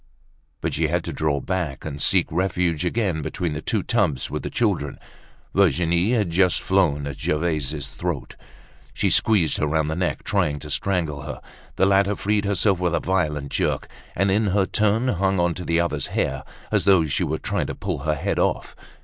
But she had to draw back and seek refuge again between the two tubs, with the children. Virginie had just flown at Gervaise's throat. She squeezed her round the neck, trying to strangle her. The latter freed herself with a violent jerk, and in her turn hung on to the other's hair, as though she was trying to pull her head off.